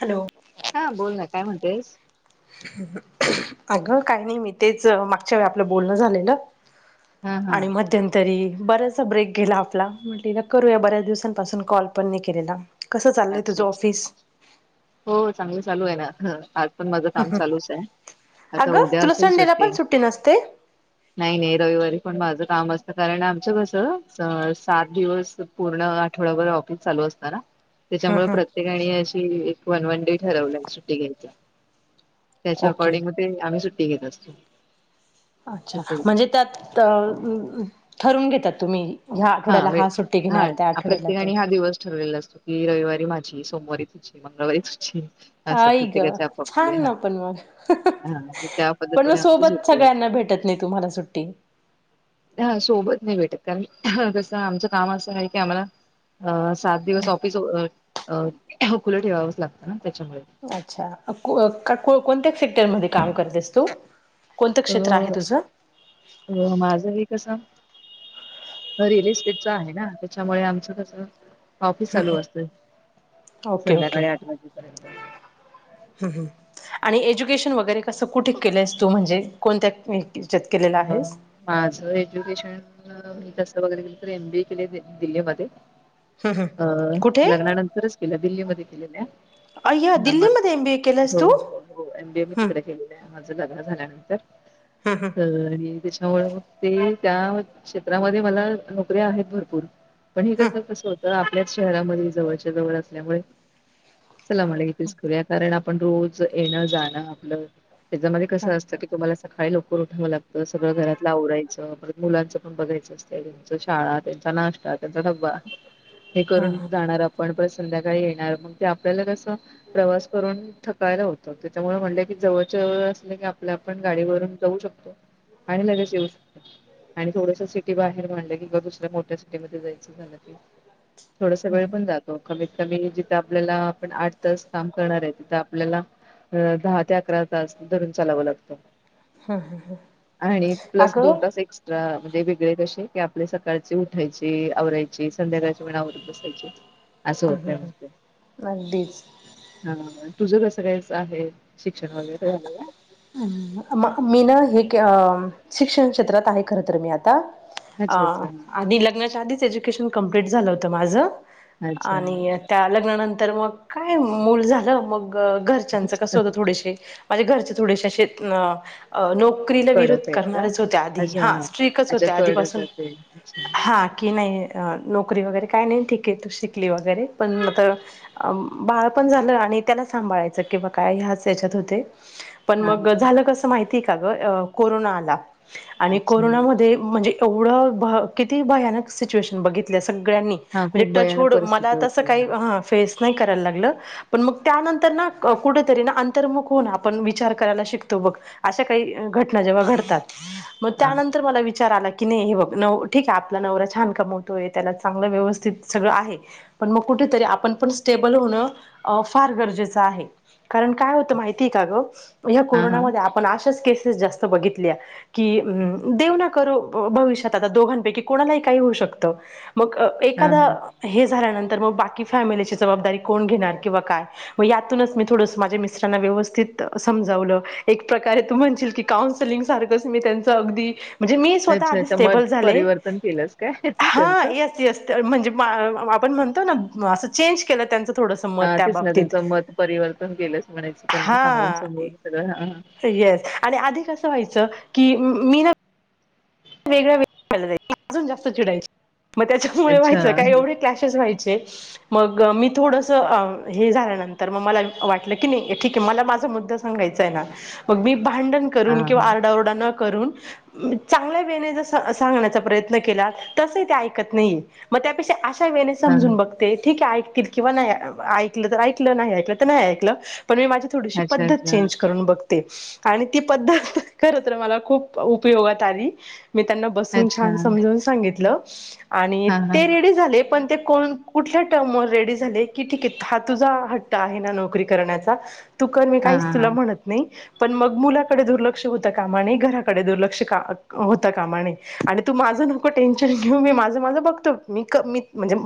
Hello. हा बोल ना काय म्हणतेस. अगं काही नाही मी तेच मागच्या वेळ आपलं बोलणं झालेलं. हा हा आणि मध्यंतरी. बराचसा ब्रेक गेला आपला म्हटले ना करूया बऱ्याच दिवसांपासून कॉल पण नाही केलेला. कसं चाललंय अच्छा, तुझं अच्छा, ऑफिस हो चांगलं चालू आहे ना, पण माझं काम चालूच आहे. आता अगं उद्या तुला असेल संडेला सुट्टी पण नसते नाही नाही रविवारी पण माझ काम असतं कारण आमचं कसं स सात दिवस पूर्ण आठवडाभर ऑफिस चालू असत ना, हं त्याच्यामुळे हं प्रत्येकाने अशी एक वन, वन, डे ठरवलाय सुट्टी घ्यायची. त्याच्या ओके अकोडींग म ते आम्ही सुट्टी घेत असतो. अच्छा, प्रत्येक जण. म्हणजे त्यात अ ठरून घेतात तुम्ही. ह्या हा आठवड्याला सुट्टी वेग हा घेणार त्या आठवड्याला तो प्रत्येकाने हा दिवस ठरलेला असतो. की रविवारी माझी सोमवारी तुझी मंगळवारी तुझी असं आई ग प्रत्येकाच्या आपापले छान ना, पण मग हा त्या पण मग पद्धतीने आमची सोबत सुट्टी असते सगळ्यांना, भेटत नाही तुम्हाला सुट्टी हा सोबत नाही भेटत कारण कसं आमचं काम असं आहे की आम्हाला अ सात दिवस ऑफिस अ अ खुलं ठेवावंच लागतं ना, त्याच्यामुळे अच्छा, अ कोव कोणत्या सेक्टरमध्येध्ये काम करतेस तू? कोणतं अ क्षेत्र आहे तुझं? अ माझं ही कसं घरी [unintelligible] रिअल इस्टेटचा आहे ना त्याच्यामुळे आमचं कस ऑफिस चालू असते ओके संध्याकाळी, आठ वाजेपर्यंत. हम्म आणि एज्युकेशन वगैरे कसं कुठे केलंस तू, म्हणजे कोणत्या? ह्याच्यात केलेला आहेस? माझ एज्युकेशन [unintelligible] [unintelligible] वगैरे के तर एमबीए केले दिल्लीमध्ये हं हं अ कुठे? लग्नानंतरच केल्या दिल्ली मध्ये केलेल्या अय्या [unintelligible] दिल्लीमध्ये एम बी ए केलंस हो तू? हो हो एम बीए मी हं तिकडे केलेलं आहे. माझं लग्न झाल्यानंतर. हं हं त आणि त्याच्यामुळे मग ते त्या क्षेत्रामध्ये मला नोकऱ्या आहेत, भरपूर पण हे हं कसं होतं आपल्याच शहरामध्ये जवळच्या जवळ असल्यामुळे. चला म्हणलं इथेच करूया कारण आपण रोज येणं जाणं आपलं त्याच्यामध्ये कस असतं की तुम्हाला सकाळी लव [unintelligible] उठावं लागतं सगळं घरातला आवरायचं परत मुलांचं पण बघायचं असत, त्यांच्या शाळा त्यांचा नाश्ता हे कर जा [unintelligible] संध्याकाळी येणार ते मग आपल्याला, कसं प्रवास करून थकायला होतं त्याच्यामुळे म्हटलं जवळच्या त अस की आपल्या आपण गाडीवरून जाऊ शकतो. आणि लगेच येऊ शकतो. आणि थोडस सिटी बाहेर म्हणलं, की दुसऱ्या मोठ्या सिटीमध्ये जायचं झालं की थोडासा वेळ पण जातो कमी कमी जिथं आपल्याला आपण आठ तास, काम करणार आहे तिथं आपल्याला अ दहा, ते अकरा तास धरून चालावं लागतं. आणि प्लस दोन अगं तास एक्स्ट्रा म्हणजे वेगळे कसे की आपले सकाळचे, उठायचे आवरायचे संध्याकाळच्या, वेळी आवरत बसायचे बसायचे असं हं हं होतय मग ते हं अगदीच. तुझ कसं काय आहे. शिक्षण वगैरे झालंय का? मक मक मीनल आणि [unintelligible] शिक्षण क्षेत्रात आहे खर तर मी आता अच्छा आणि अच्छा आ आधी लग्नाच्या आधी एज्युकेशन कम्प्लिट झालं होतं माझं अच्छा आणि त्या लग्नानंतर तर मग काय मूल झालं मग घरच्यांच, अच्छा कसं होतं. आणि घरचे थोडेसे असे आ, आ, नोक नोकरीला विरोध कडक आहेत का? करणारच, होते आधी अच्छा हा स्ट्रीकच अच्छा होते कडक आधीपासून ते अच्छा हा की नाही. अ नोकरी वगैरे काय नाही ठीक आहे शिकली, वगैरे पण बाळ पण झालं आणि त्याला सांभाळायचं किंवा काय? त्याच्यात होते पण हा मग हा झालं कस माहिती, का ग कोरोना आला आणि अच्छा कोरोना मध्ये म्हणजे एवढ भ किती भयानक सिच्युएशन बघितलेस सगळ्यांनी हा म्हणजे खूप भयानक टचहुड मला परिस्थिती तसं होती काही हा हां फेस नाही काय करायला लागलं पण मग त्यानंतर ना, कुठेतरी आन तर मग हो ना आपण विचार करायला शिकतो बघ अशा काही घटना जेव्हा घडतात. मग हा त्यानंतर मला विचार आला की नाही हे बघ ठीके आपला नवरा छान कमवतोय त्याला चांगलं व्यवस्थित सगळं आहे पण मग कुठं कुठतरी आपण पण स्टेबल होण फार गरजेचं आहे. कारण काय माहिती का ग हे हा हा कोरोना हा मध्ये आपण अशाच केस जास्त बघितल्या कि अ अच्छा देव ना करो भविष्यात आता दोघांपैकी कोणालाही काही होऊ शकत. मग हा एखादा हा हे झाल्यानंतर तर मग बाकी फॅमिली ची जबाबदारी कोण घेणार किंवा काय मग यातूनच मी थोडं माझे मिस्टर राना व्यवस्थित समजावलं एक प्रकारे तू म्हणशील की काउन्सलिंग सारखंच मी अगदी म्हणजे मी स्वतः अच्छा आधी अच्छा मग स्टेबल झाले. परिवर्तन केलंस काय हा त्यांचं येस येस म्हणजे आपण म्हणतो ना असं चेंज केलं त्यांच हा तेच ना त्यांचं मत परिवर्तन केलंच म्हणायच त्यांना सांगून हां, सांगून सगळं हा हा. येस आणि आधी कसं व्हायचं की मी ना वेगळ्या वेग अजून जास्त चिडायच मग त्याच्यामुळे अच्छा व्हायचं काय एवढे क्लॅशेस व्हायचे मग मी थोडस हे झाल्यानंतर तर मग मला वाटलं की नाही ठीक आहे मला माझा मु द्दा सांगायचा आहे ना मग मी भांडण हा करून हा किंवा आरडाओरडा न करून चांगलं गळ्यांनी सांगण्याचा प्रयन केला तसही ऐकत नाहीये मग त्यापेक्षा तेंव्हा हा समजून हा बघते ठीक आहे ऐकतील किंवा नाही ऐकलं तर ऐकलं नाही ऐकलं तर नाही ऐकलं पण मी माझी थोडीशी अच्छा पद्धत अच्छा चेंज करून बघ ते आणि ती पद्धत खर तर मला खूप उपयोगात आली. मी त्यांना बसून अच्छा छान समजून सांगितलं आणि हा हा ते रेडी झाले पण ते कुठल्या टर्म व रेडी झाले की ठीके हा तुझा हट्ट आहे ना नोकरी करण्याचा तू कर मी हा काहीच हा तुला हा म्हणत नाही. पण मग मुलाकडे दुर्लक्ष होतं कामा नये घराकडे दुर्लक्ष का होता कामा नये आणि तू माझं नको टेन्शन घेऊ मी माझं माझं बघतो मी मी म्हणजे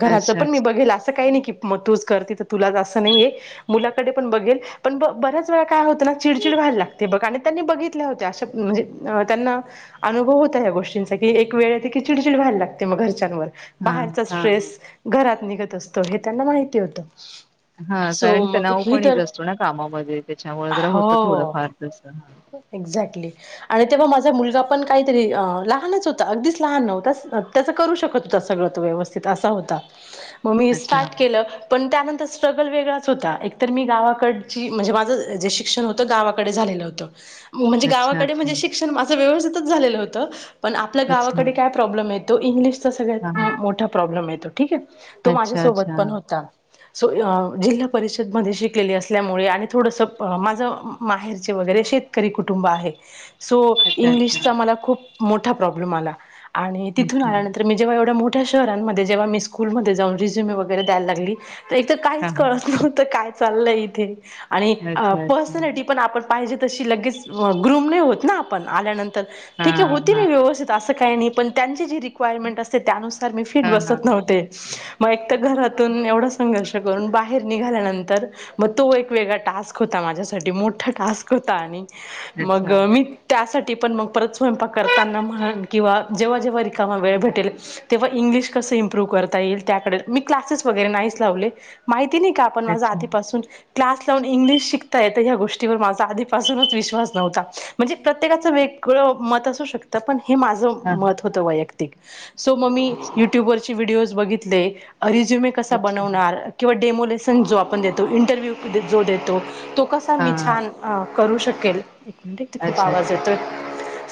घराचं अच्छा पण मी अच्छा बघेल असं काही नाही की मग तूच कर तिथं तुला अस नाहीये मुलाकडे पण बघेल पण बऱ्याच वेळा काय होत ना चिडचिड व्हायला लागते बघ आणि त्यांनी बघितल्या होत्या म्हंजे त्यांना अनुभव होता या गोष्टीचा की एक वेळ ते कि चिडचिड व्हायला लागते मग घरच्यांवर हा बाहेरचा हा स्ट्रेस हा. घरात निघत असतो हे त्यांना माहिती होत. हा कारण तणाव पण हेच असतो ना कामामध्ये त्याच्यामुळे जरा होत थोडं हो फार जस एक्झॅक्टली आणि तेव्हा माझा मुलगा पण काहीतरी लहानच होता. अगदीच लहान नव्हता. त्याच करू शकत होत सगळ व्यवस्थित असा होता मग मी अच्छा स्टार्ट केलं पण त्यांनंतर स्ट्रगल वेगळाच होता एक तर मी गावाकडची म्हणजे माझं जे शिक्षण होतं गावाकडे झालेलं होतं. म्हणजे अच्छा गावाकडे अच्छा म्हणजे शिक्षण माझं व्यवस्थितच झालेलं होतं पण आपल्या अच्छा गावाकडे काय प्रॉब्लेम तो इंग्लिशचा हा सगळ्यात हा मोठा प्रॉब्लेम येतो. ठीके तो अच्छा माझ्यासोबत अच्छा पण होता. सो जिल्हा परिषदमध्ये शिकलेली असल्यामुळे आणि थोडसं माझ माहेरचे वगैरे शे तकरी कुटुंब आहे. सो अच्छा इंग्लिशचा मला खूप मोठा प्रॉब्लेम आला. आणि तिथून आल्यानंतर मी जेव्हा एवढा मो ठ्या शहरांमध्ये जेव्हा मी स्कूलमध्ये जाऊन रिज्यूमे वगैरे द्यायला लागली. एक तर काहीच कळत नव्हतं काय चाललंय इथे आणि अच्छा अच्छा पर्सनॅलिटी पण आपण पाहिजे तशी लगेच ग्रुम नाही होत ना आपण आल्यानंतर हा ठीके होती मी हा व्यवस्थित अस काही नाही पण त्यांची जी रिक्वायर ्मेंट अस त्यानु मी फिट अच्छा अच्छा हा हा हा हा बसत हा नव्हते मग एक घरातून एवढा संघर्ष बाहेर निघाल्यानंतर मग तो एक वेगळा टास्क होता. माझ्यासाठी मोठा टास्क होता. मग अच्छा मी त्यासाठी ते पण मग परत स्वयंपाक करताना म्हणे किंवा जेव्हा जेव्हा रिकामा वेळ भेटेल तेव्हा इंग्लिश कस इम्प्रूव् करता येईल त्याकडं मी क्लासेस वगैरे नाहीच लावले माहि ते नई का... पण माझा अच्छा आधीपासून.... क्लास लावून इंग्लिश शिकता येतं... ह्या गोष्टीवर माझा आधीपा पासूनच विश्वास न्हवता... म्हणजे प्रत्येकाचं वेगळं मत असू शकतं पण हे माझं हा हा मत होत वैयक्तिक... सो मग मी अच्छा युट्यूबवरचे व्हिडिओज बघितले रिझ्युमे कसा अच्छा बनवणार? किंवा डेमोलेसन जो आपण देतो, इंटरव्ह्यू जो देतो तो कसा हा मी छान आ करू शकेल. एक मिनिट, इथं खूप अच्छा आवाज अच्छा येतोय. [inaudible]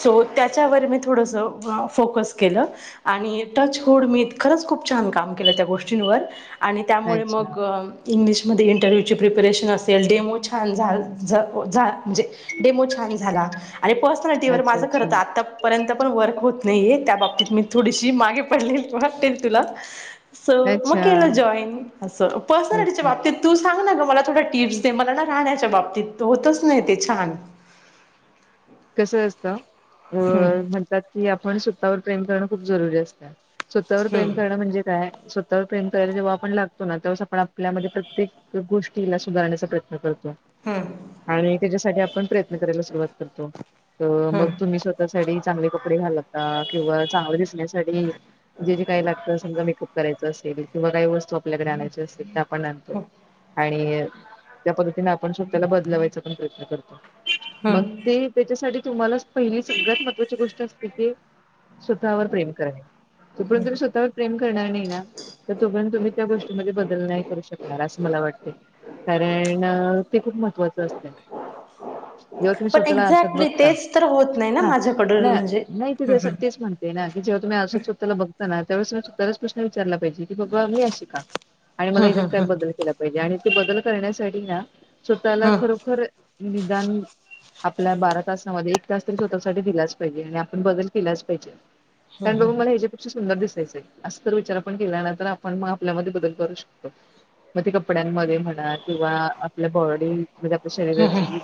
सो त्याच्यावर मी थोडसं फोकस केलं. आणि टच हुड मी खरंच खूप छान छान काम केलं त्या गोष्टींवर... आणि त्यामुळे अच्छा मग इंग्लिश मध्ये इंटरव्ह्यूची प्रिपेरेशन असेल डेमो छान झाल -झ- जा म्हणजे डेमो छान झाला. आणि पर्सनॅलिटी अच्छा माझं खर तर अच्छा आतापर्यंत पण वर्क होत नाहीये त्या बाबतीत... मी थोडीशी मागे पडलेली वाटेल तुला. असं मग अच्छा केलं जॉईन असं पर्सनलिटीच्या अच्छा बाबतीत तू सांग ना गं मला थोड्या टिप्स दे मला ना राहण्याच्या बाबतीत होतच नाही ते छान कसं असतं हम्म अं... म्हणतात की आपण स्वतःवर प्रेम करणं खूप जरुरी असतं. स्वतःवर प्रेम हम्म करणं म्हणजे काय? स्व स्वतःवर प्रेम करायला जेव्हा आपण लागतो ना त्यां वेळेस आपण, आपल्यामध्ये प्रत्येक गोष्टीला सुधारण्याचा प्रयत्न करतो. हम्म आणि त्याच्यासाठी आपण प्रयत्न करायला सुरुवात करतो. हो हम्म मग तुम्ही स्वतः साठी चांगले कपडे घालू लागता किंवा चांगलं दिसण्यासाठी जे बी काही लागतं.. समजा मेकअप करायचा असेल किंवा काही वस्तू आपल्याकडे आणायच्या असतील तर आ पण आणतो. हम्म आणि त्या पद्धतीने आपण स्वतःला बदलवायचा पण प्रयत्न करतो. मग हम्म ते साठी तुम्हालाच पहिली सगळ्यात महत्त्वाची गोष्ट असते की, स्वतःवर प्रेम करणे. जोपर्यंत तुम्ही स्वतःवर प्रेम करणार नही ना तर तोपर्यंत तुम्ही त्या गोष्टीमध्ये बदल नाय करू शकणार. असं मला वाटतंय कारण ते खूप महत्वाचं असतय. जेव्हा तुम्ही स्वतःला आरशा- हल्ली तेच तर हो.. हं ना नाही तिथं असं हम्म तीच म्हणते ना की जेव्हा तुम्ही आरशात स्वतःला बघता ना त्यावेळेस सुद्धा स्वतःलाच प्रश्न प्रश्न विचारला पाहिजे. की बाबा मी अशी का? आणि मला हम्म हम्म हेच्यात काय हम्म बदल केला पाहिजे. आणि त बदल करण्यासाठी ना... स्वतःला हम्म खरोखर... निदान- आपल्या बारा तासामध्ये एक तास तरी स्वतःसाठी दिलाच पाहिजे आणि आपण बदल केलाच पाहिजे. [unintelligible] बघून मला ह्याच्यापेक्षा सुंदर दिस दिसायचंय... [unintelligible] असा जर विचार आपण केला ना मग आपण आपल्यामध्ये बदल करू शकतो मग ते कपड्यांमध्ये म्हणा किंवा आपल्या बॉडी म्हणजे आपल्या शरीराची जी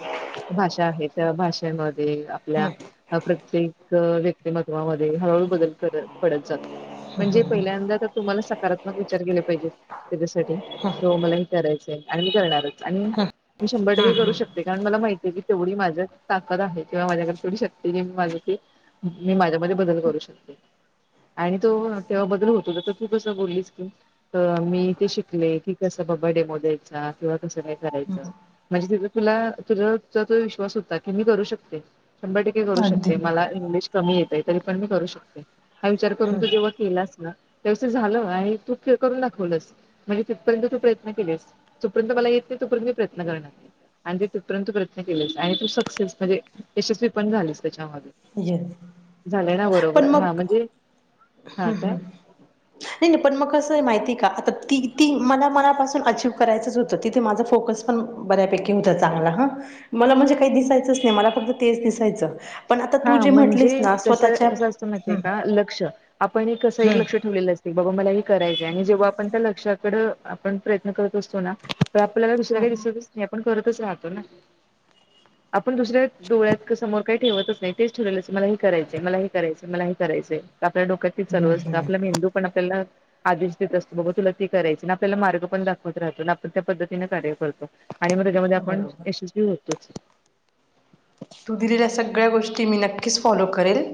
भाषा आहे त्या भाषेमध्ये ते हम्म हम्म आपल्या प्रत्येक व्यक्तिमत्वामध्ये हळूहळू बदल फरक पडत जातोय म्हणजे पहिल्यांदा तर तुम्हाला सकारात्मक विचार केले पाहिजेत. त्याच्यासाठी की हो मला हे करायचंय. आणि मी करणारच आणि मी शंभर हा टक्के हा. करू शकते कारण मला माहितीय, की तेवढी माझ्यात ताकद आहे किंवा माझ्याकडे थोडी शक्ती [unintelligible] हे की मी माझ्यामध्ये बदल करू शकते. आणि तो तेव्हा बदल होतो. त तर तू कसं बोललीस की. मी ते शिकले की कसं बा डेमो द्याचा किंवा कसं काय करायचं म्हणजे तिथं तुला तुझा जो विश्वास होता. की मी करू शकते. शंभर टक्के करू अगदी शकते हा मला इंग्लिश कमी येतय तरी पण मी करू शकते. हा विचार करून. तू जेव्हा केलास ना व्यवस्थित झालं आणि तू करून दाखवलस. म्हणजे तिथपर्यंत तू प्रयत्न केलेस, तिथ पर्यंत मला ते तीत पर्यंत मी प्रयत्न करणार. आणि तू तीत पर्यंत प्रयत्न केलेस आणि तू स क्सेस म्हणजे यशस्वी पण झालीस. त्याच्यामध्ये येस. झाले ना बरोबर हा म्हणजे हा हम्म काय हम् नाही नाही पण मग कसं आहे म ती का? आता ती ती मला मनापासून आचिव करायचंच होतं तिथे माझं फोकस पण बऱ्यापैकी होत. चांगला ह मला म्हणजे काही दिसायचच नाही मला फक्त तेच दिसायच हा म्हणजे कसं कसं असतं माहिती आहे हम्म का लक्ष आपण एक कसं एक हम्म लक्ष ठेवलेलं अस बाबा मला करायच आहे आणि जेव्हा आपण त्या लक्षकड आपण प्रयत्न करत असतो ना तर आपल्याला दुसरा काही दिसतच नाही आपण करताच राहतो ना आपण दुसऱ्या डोळ्यात समोर काही ठेवत नाही तेच ठरवलंच मला हे करायचं मलाही करायचं मलाही करायचंय. आपल्या डोक्यात तेच चालू हम्म असत हम्म आपला मेंदू पण आपल्याला आदेश देत असतो बाघ तुला तेी करायची ना आपल्याला मार्ग पण दाखवत राहतो ना आपण त्या पद्धतीने कार्य करतो. आणि मग त्यामध्ये आपण बरोबर. यशस्वी होतोच. की मी नक्कीच फॉलो करेल